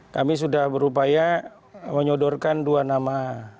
kami sudah berupaya menyodorkan dua nama